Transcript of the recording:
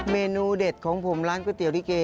เมนูเด็ดของผมร้านก๋วยเตี๋ลิเก